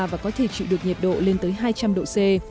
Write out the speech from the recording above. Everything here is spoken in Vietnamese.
và có thể chịu được nhiệt độ lên tới hai trăm linh độ c